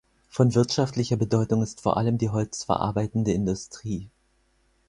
Von wirtschaftlicher Bedeutung ist vor allem die holzverarbeitende Industrie.